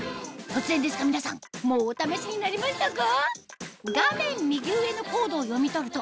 突然ですが皆さんもうお試しになりましたか？